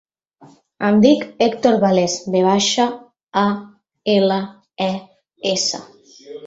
Em dic Hèctor Vales: ve baixa, a, ela, e, essa.